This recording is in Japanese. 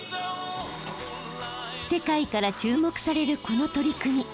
世界から注目されるこの取り組み。